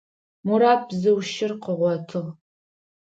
Мурат бзыу щыр къыгъотыгъ.